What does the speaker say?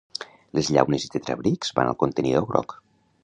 Les llaunes i tetabrics van al contenidor groc